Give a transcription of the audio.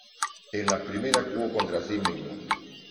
En la primera jugó contra sí mismo.